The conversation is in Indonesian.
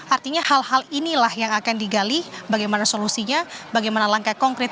artinya hal hal inilah yang akan digali bagaimana solusinya bagaimana langkah konkret